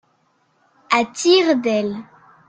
À tire d’aile.